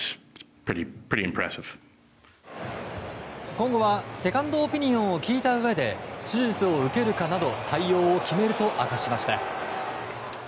今後はセカンドオピニオンを聞いたうえで手術を受けるかなど対応を決めると明かしました。